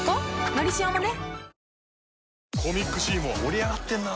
「のりしお」もね